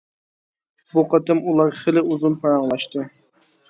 بۇ قېتىم ئۇلار خېلى ئۇزۇن پاراڭلاشتى.